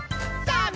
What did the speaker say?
さあ